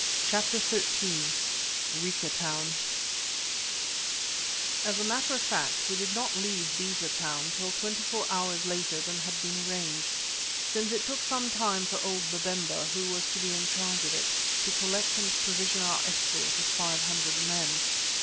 CHAPTER XIII RICA TOWN As a matter of fact we did not leave Beza Town till twenty four hours later than had been arranged, since it took some time for old Babemba, who was to be in charge of it, to collect and provision our escort of five hundred men.